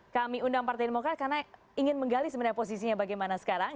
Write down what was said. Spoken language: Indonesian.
kami undang partai demokrat karena ingin menggali sebenarnya posisinya bagaimana sekarang